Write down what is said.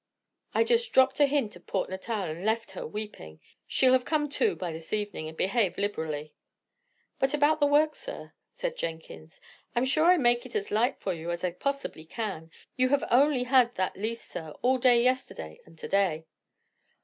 I just dropped a hint of Port Natal, and left her weeping. She'll have come to, by this evening, and behave liberally." "But about the work, sir?" said Jenkins. "I'm sure I make it as light for you as I possibly can. You have only had that lease, sir, all day yesterday and to day."